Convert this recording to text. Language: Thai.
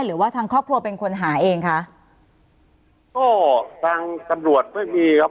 หรือว่าทางครอบครัวเป็นคนหาเองคะก็ทางตำรวจไม่มีครับ